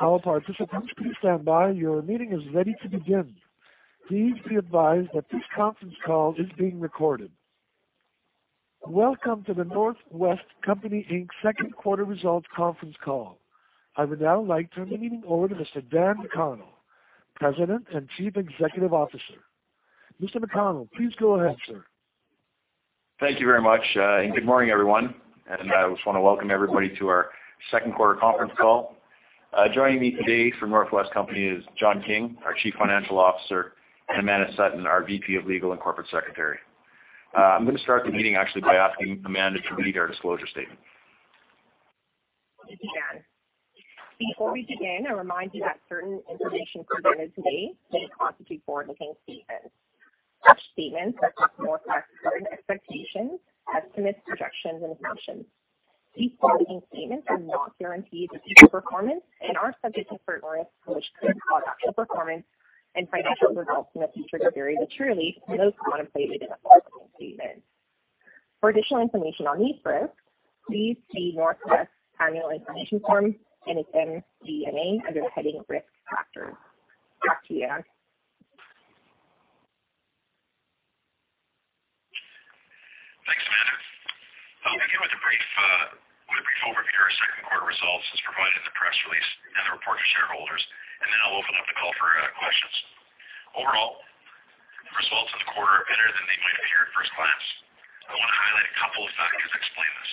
Welcome to The North West Company Inc.'s second quarter results conference call. I would now like to turn the meeting over to Mr. Dan McConnell, President and Chief Executive Officer. Mr. McConnell, please go ahead, sir. Thank you very much, and good morning, everyone. I just want to welcome everybody to our second quarter conference call. Joining me today from The North West Company is John King, our Chief Financial Officer, and Amanda Sutton, our VP of Legal and Corporate Secretary. I'm going to start the meeting actually by asking Amanda to read our disclosure statement. Thank you, Dan. Before we begin, I'll remind you that certain information presented today may constitute forward-looking statements. Such statements are often more fact than expectations, estimates, projections, and assumptions. These forward-looking statements are not guarantees of future performance and are subject to certain risks, which could cause actual performance and financial results in the future to vary materially from those contemplated in the forward-looking statements. For additional information on these risks, please see North West's annual information form and its MD&A under the heading Risk Factors. Back to you, Dan. Thanks, Amanda. I'll begin with a brief overview of our second quarter results as provided in the press release and the report for shareholders, then I'll open up the call for questions. Overall, the results of the quarter are better than they might appear at first glance. I want to highlight a couple of factors that explain this.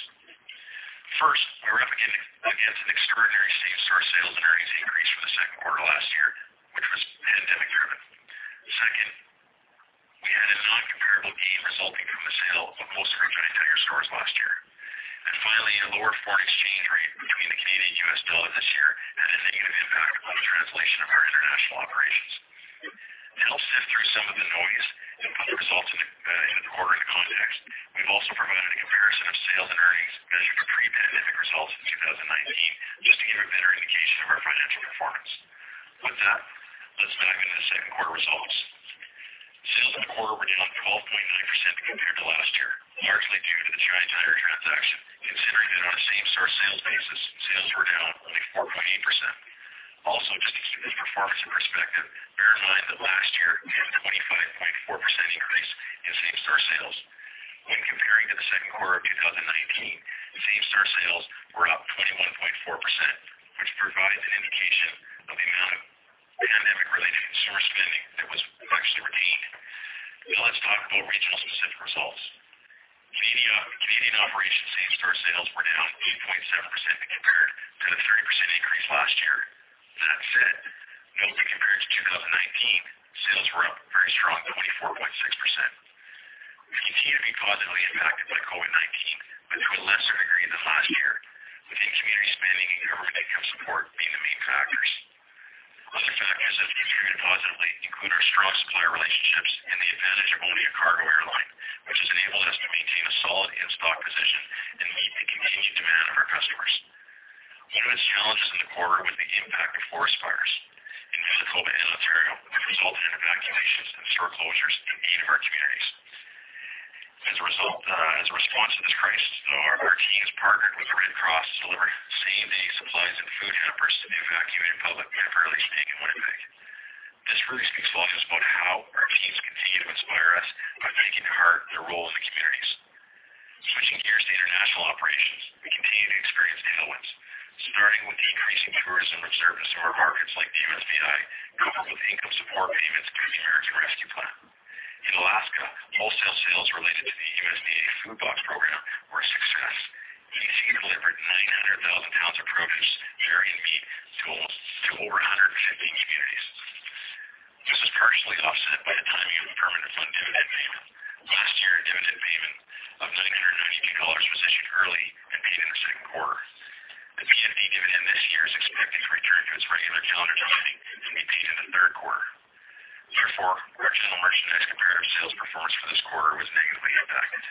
First, we were up against an extraordinary same-store sales and earnings increase for the second quarter last year, which was pandemic-driven. Second, we had a non-comparable gain resulting from the sale of most of our Giant Tiger stores last year. Finally, a lower foreign exchange rate between the Canadian and U.S. dollar this year had a negative impact on the translation of our international operations. To help sift through some of the noise and put the results in the quarter into context, we've also provided a comparison of sales and earnings measured to pre-pandemic results in 2019, just to give a better indication of our financial performance. With that, let's dive into the second quarter results. Sales in the quarter were down 12.9% compared to last year, largely due to the Giant Tiger transaction. Considering it on a same-store sales basis, sales were down only 4.8%. Also, just to keep this performance in perspective, bear in mind that last year we had a 25.4% increase in same-store sales. When comparing to the second quarter of 2019, same-store sales were up 21.4%, which provides an indication of the amount of pandemic-related consumer spending that was actually retained. Now let's talk about regional specific results. Canadian operations same-store sales were down 8.7% compared to the 30% increase last year. That said, notably compared to 2019, sales were up a very strong 24.6%. We continue to be positively impacted by starting with the increase in tourism reserves in our markets like the U.SVI, coupled with income support payments through the American Rescue Plan. In Alaska, wholesale sales related to the USVI Food Box Program were a success, each team delivered 900,000 pounds of produce, dairy, and meat to over 150 communities. This was partially offset by the timing of a Permanent Fund Dividend payment. Last year, a dividend payment of 992 dollars was issued early and paid in the second quarter. The PFD dividend this year is expected to return to its regular calendar timing and be paid in the third quarter. Therefore, regional merchandise comparative sales performance for this quarter was negatively impacted.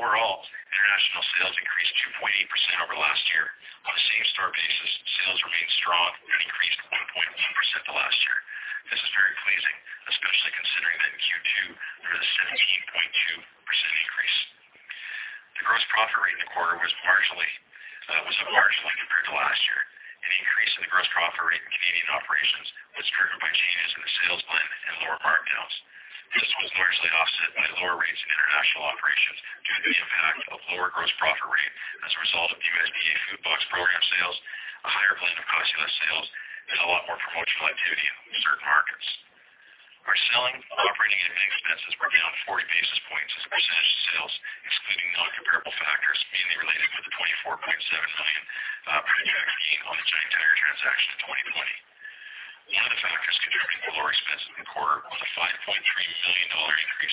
Overall, international sales increased 2.8% over last year. On a same-store basis, sales remained strong and increased 1.1% to last year. This is very pleasing, especially considering that in Q2 there was a 17.2% increase. The gross profit rate in the quarter was up marginally compared to last year. An increase in the gross profit rate in Canadian operations was driven by changes in the sales plan and lower markdowns. This was largely offset by lower rates in international operations due to the impact of lower gross profit rate as a result of USVI Food Box Program sales, a higher blend of costless sales, and a lot more promotional activity in certain markets. Our selling, operating, and admin expenses were down 40 basis points as a percentage of sales, excluding non-comparable factors, mainly related to the 24.7 million pre-tax gain on the Giant Tiger transaction in 2020. One of the factors contributing to lower expenses in the quarter was a 5.3 million dollar increase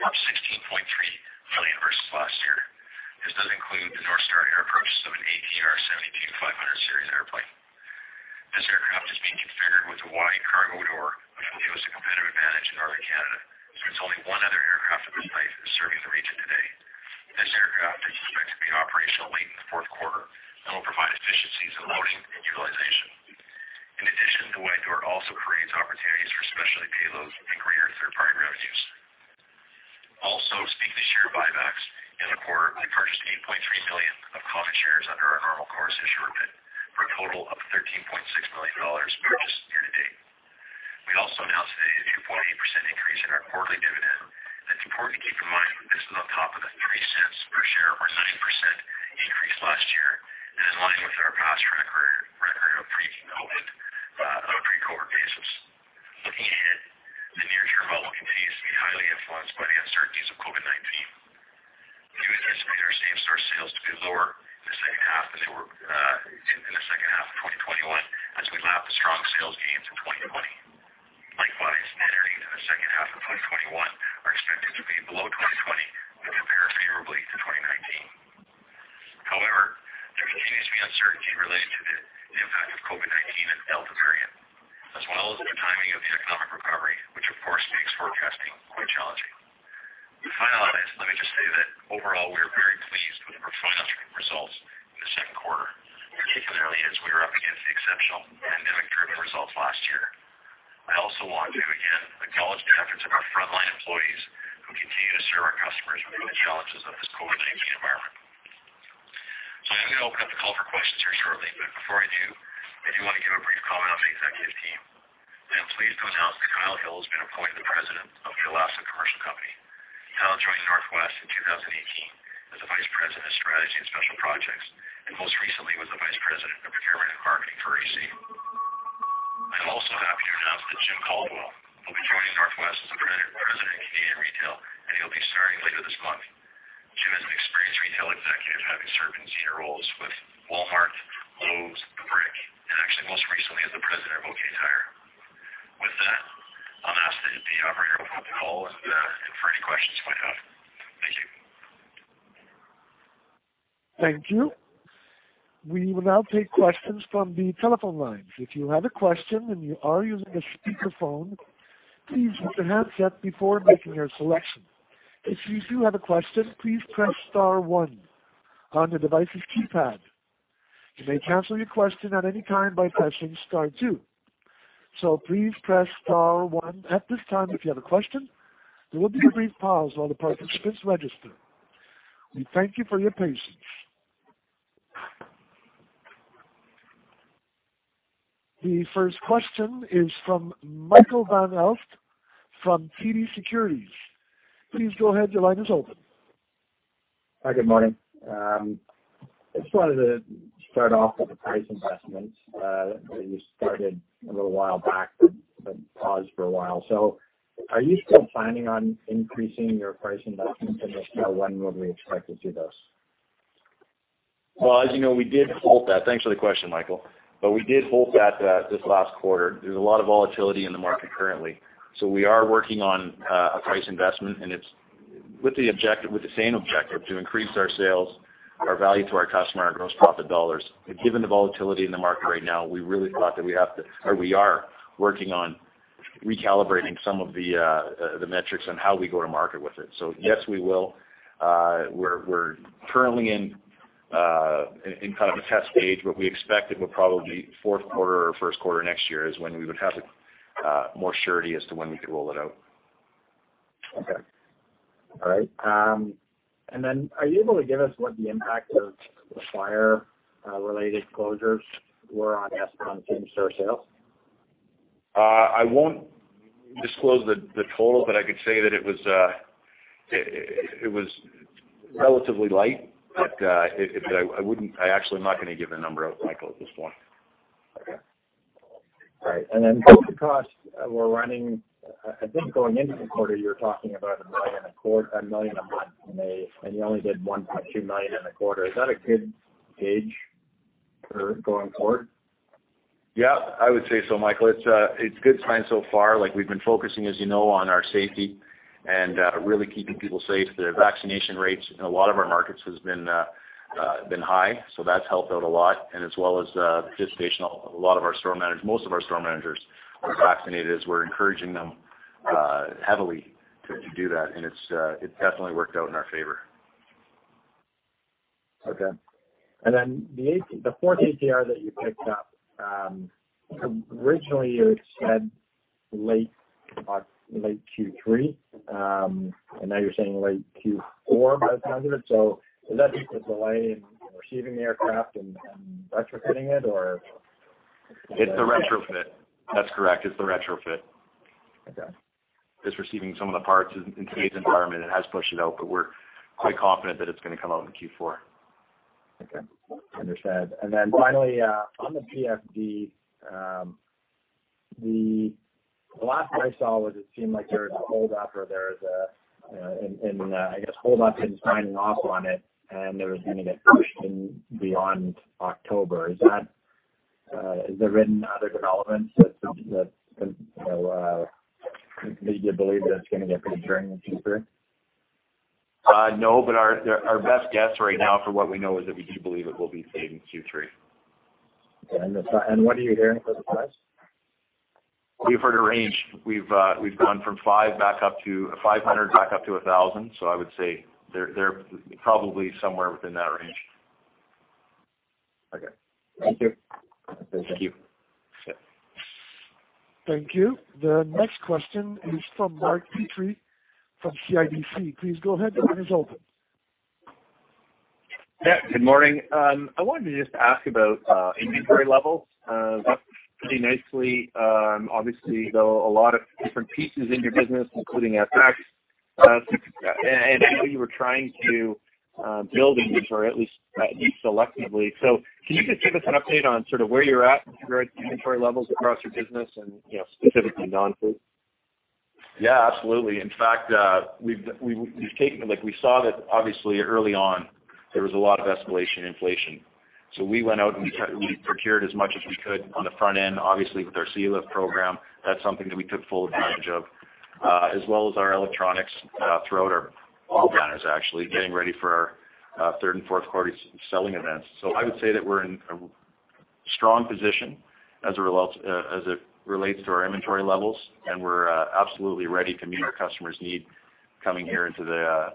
up 16.3 million versus last year. This does include the North Star Air purchase of an ATR 72-500 series airplane. This aircraft is being configured with a wide cargo The first question is from Michael Van Aelst from TD Cowen. Please go ahead. Your line is open. Hi, good morning. I just wanted to start off with the price investments that you started a little while back but paused for a while. Are you still planning on increasing your price investments, and if so, when would we expect to see those? Well, as you know, we did halt that. Thanks for the question, Michael Van Aelst. We did halt that this last quarter. There's a lot of volatility in the market currently. We are working on a price investment. It's with the same objective to increase our sales, our value to our customer, and our gross profit dollars. Given the volatility in the market right now, we really feel like that we have to, or we are working on recalibrating some of the metrics on how we go to market with it. Yes, we will. We're currently in kind of a test stage. We expect that we'll probably fourth quarter or first quarter next year is when we would have more surety as to when we could roll it out. Okay. All right. Are you able to give us what the impact of the fire-related closures were on same-store sales? I won't disclose the total, but I could say that it was relatively light, but I actually am not going to give a number out, Michael, at this point. Okay. All right. COVID costs were running, I think going into the quarter, you were talking about 1 million a month in May, and you only did 1.2 million in the quarter. Is that a good gauge for going forward? I would say so, Michael. It's good signs so far. We've been focusing, as you know, on our safety and really keeping people safe. The vaccination rates in a lot of our markets has been high, so that's helped out a lot and as well as participation of most of our store managers are vaccinated as we're encouraging them heavily to do that. It's definitely worked out in our favor. Okay. The fourth ATR that you picked up, originally it said late Q3, and now you're saying late Q4 by the sound of it. Is that just a delay in receiving the aircraft and retrofitting it or It's the retrofit. That's correct, it's the retrofit. Okay. Just receiving some of the parts in today's environment it has pushed it out, but we're quite confident that it's going to come out in Q4. Okay. Understood. Finally, on the PFD, the last I saw was it seemed like there was a holdup in signing off on it, and it was going to get pushed beyond October. Have there been other developments that you believe that it's going to get returned in Q3? No, our best guess right now for what we know is that we do believe it will be stayed in Q3. Okay. What are you hearing for the price? We've heard a range. We've gone from 500 back up to 1,000. I would say they're probably somewhere within that range. Okay. Thank you. Thank you. Thank you. The next question is from Mark Petrie from CIBC. Yeah, good morning. I wanted to just ask about inventory levels. Pretty nicely, obviously, though a lot of different pieces in your business, including FX, and I know you were trying to build inventory, at least selectively. Can you just give us an update on sort of where you're at with your inventory levels across your business and specifically non-food? Absolutely. In fact, we saw that obviously early on, there was a lot of escalation inflation. We went out and we procured as much as we could on the front end, obviously, with our Sealift program. That's something that we took full advantage of, as well as our electronics throughout our banners, actually, getting ready for our third and fourth quarter selling events. I would say that we're in a strong position as it relates to our inventory levels, and we're absolutely ready to meet our customers' need coming here into the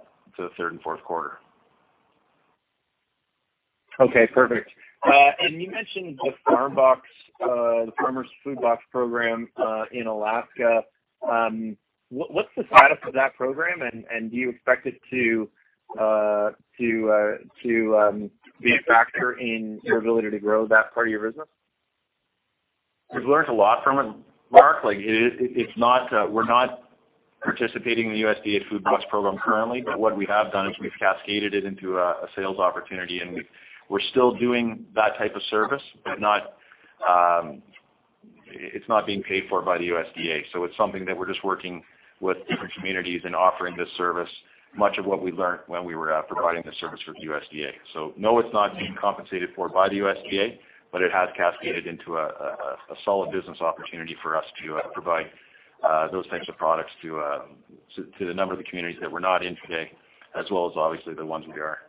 third and fourth quarter. Okay, perfect. You mentioned the USDA Farmers to Families Food Box program in Alaska. What's the status of that program, and do you expect it to be a factor in your ability to grow that part of your business? We've learned a lot from it, Mark. We're not participating in the USDA Food Box Program currently. What we have done is we've cascaded it into a sales opportunity, and we're still doing that type of service, but it's not being paid for by the USDA. It's something that we're just working with different communities and offering this service, much of what we learned when we were providing this service for the USDA. No, it's not being compensated for by the USDA, but it has cascaded into a solid business opportunity for us to provide those types of products to the number of the communities that we're not in today, as well as obviously the ones we are.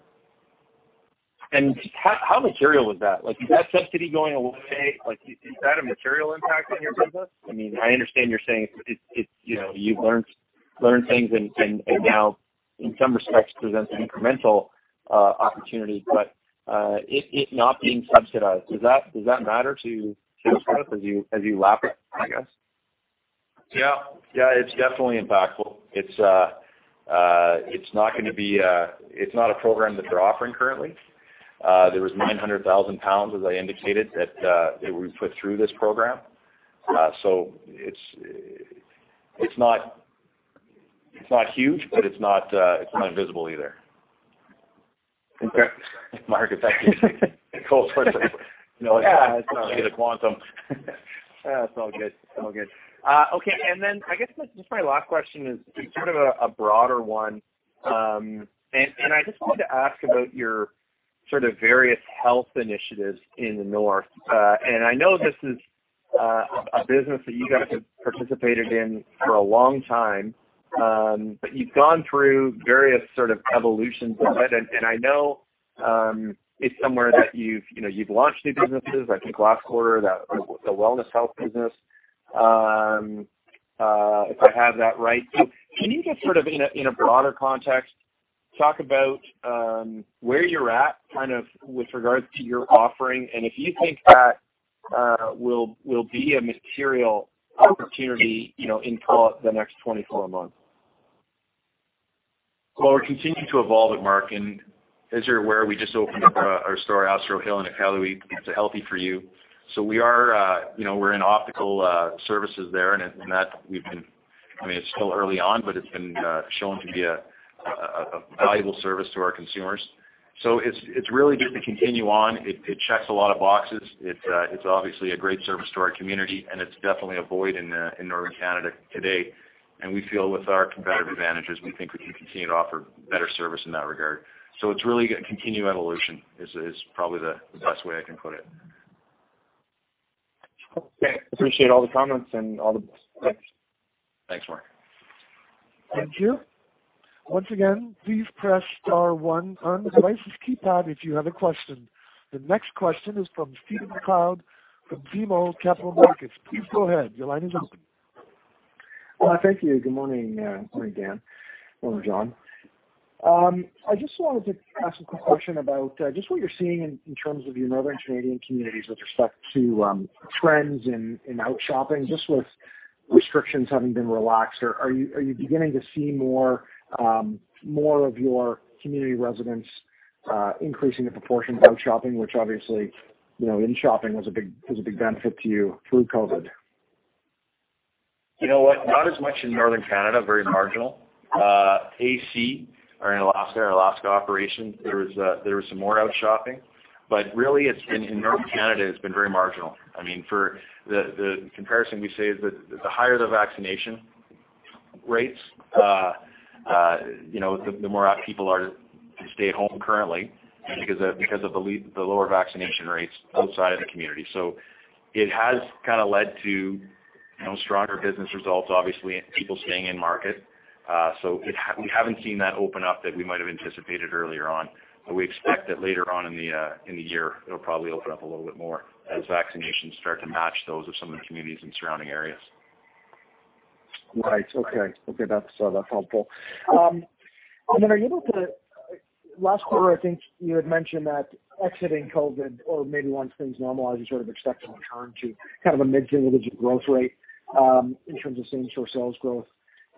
How material is that? Is that subsidy going away? Is that a material impact on your business? I understand you're saying you've learned things and now, in some respects, presents an incremental opportunity. It not being subsidized, does that matter to sales growth as you lap it, I guess? Yeah, it's definitely impactful. It's not a program that they're offering currently. There was 900,000 pounds, as I indicated, that we put through this program. It's not huge, but it's not invisible either. Okay. Mark is actually, you know, it's not like it's a quantum. It's all good. Okay. I guess just my last question is sort of a broader one. I just wanted to ask about your sort of various health initiatives in the North. I know this is a business that you guys have participated in for a long time, but you've gone through various sort of evolutions of it, and I know it's somewhere that you've launched new businesses, I think last quarter, the Healthy For You business, if I have that right. Can you just sort of in a broader context, talk about where you're at, kind of with regards to your offering, and if you think that will be a material opportunity in the next 24 months? Well, we're continuing to evolve it, Mark, and as you're aware, we just opened up our store Astro Hill in Iqaluit. It's a Healthy For You. We're in optical services there, and it's still early on, but it's been shown to be a valuable service to our consumers. It's really just to continue on. It checks a lot of boxes. It's obviously a great service to our community, and it's definitely a void in Northern Canada today. We feel with our competitive advantages, we think we can continue to offer better service in that regard. It's really a continued evolution is probably the best way I can put it. Okay. Appreciate all the comments and all the best. Thanks, Mark. Thank you. Once again, please press star one on your device's keypad if you have a question. The next question is from Stephen MacLeod from BMO Capital Markets. Please go ahead. Your line is open. Well, thank you. Good morning, Dan. Good morning, John. I just wanted to ask a quick question about just what you're seeing in terms of your northern Canadian communities with respect to trends in out shopping, just with restrictions having been relaxed. Are you beginning to see more of your community residents increasing the proportion of out shopping, which obviously, in shopping was a big benefit to you through COVID? You know what? Not as much in northern Canada, very marginal. AC, or in Alaska operations, there was some more out shopping, but really, in northern Canada, it's been very marginal. The comparison we say is that the higher the vaccination rates, the more people are stay-at-home currently because of the lower vaccination rates outside of the community. It has kind of led to stronger business results, obviously, people staying in market. We haven't seen that open up that we might have anticipated earlier on, but we expect that later on in the year, it'll probably open up a little bit more as vaccinations start to match those of some of the communities in surrounding areas. Right. Okay. That's helpful. Last quarter, I think you had mentioned that exiting COVID or maybe once things normalize, you sort of expect to return to kind of a mid-single-digit growth rate, in terms of same-store sales growth.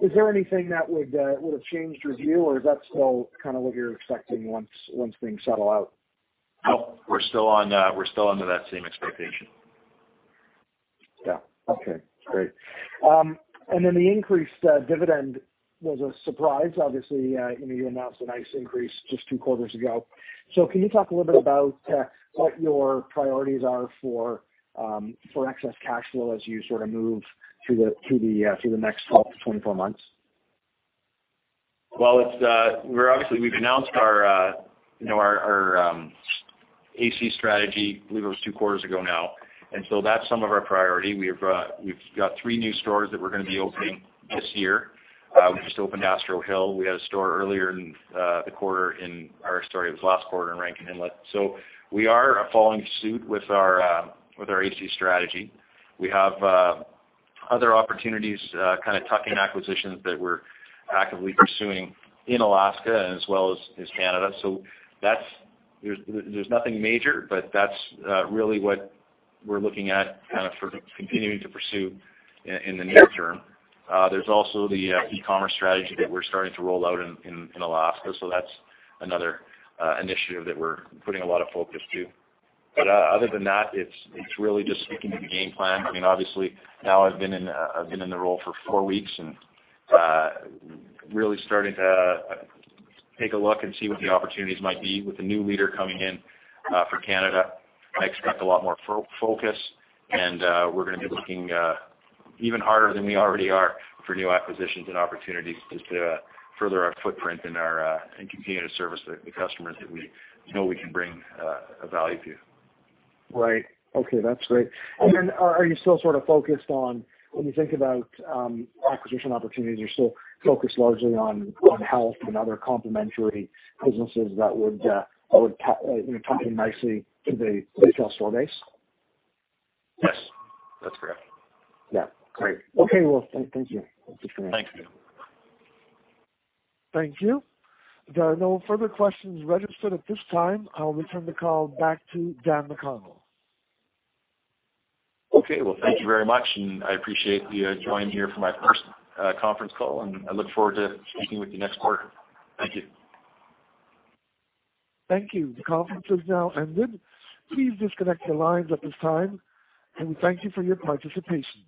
Is there anything that would have changed your view, or is that still kind of what you're expecting once things settle out? No. We're still under that same expectation. Yeah. Okay, great. The increased dividend was a surprise, obviously. You announced a nice increase just two quarters ago. Can you talk a little bit about what your priorities are for excess cash flow as you sort of move through the next 12 to 24 months? Well, obviously, we've announced our AC strategy, I believe it was two quarters ago now. That's some of our priority. We've got three new stores that we're going to be opening this year. We just opened Astro Hill. We had a store earlier in the quarter in, or sorry, it was last quarter in Rankin Inlet. We are following suit with our AC strategy. We have other opportunities, kind of tuck-in acquisitions that we're actively pursuing in Alaska as well as Canada. There's nothing major, but that's really what we're looking at kind of for continuing to pursue in the near term. There's also the e-commerce strategy that we're starting to roll out in Alaska, that's another initiative that we're putting a lot of focus to. Other than that, it's really just sticking to the game plan. Obviously, now I've been in the role for four weeks and really starting to take a look and see what the opportunities might be with a new leader coming in for Canada. I expect a lot more focus. We're going to be looking even harder than we already are for new acquisitions and opportunities just to further our footprint and continue to service the customers that we know we can bring a value to. Right. Okay, that's great. Are you still sort of focused on, when you think about acquisition opportunities, you're still focused largely on health and other complementary businesses that would tie in nicely to the retail store base? Yes. That's correct. Yeah. Great. Okay, well, thank you. Thank you. Thank you. There are no further questions registered at this time. I will return the call back to Dan McConnell. Okay. Well, thank you very much, and I appreciate the join here for my first conference call, and I look forward to speaking with you next quarter. Thank you. Thank you. The conference has now ended. Please disconnect your lines at this time. We thank you for your participation.